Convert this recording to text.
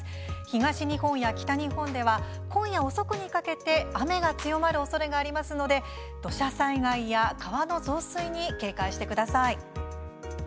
東日本や北日本では今夜遅くにかけて雨が強まるおそれがありますので土砂災害や川の増水に警戒してください。